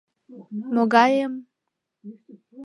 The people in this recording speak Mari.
Могай эм?